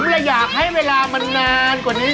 และอยากให้เวลามันนานกว่านี้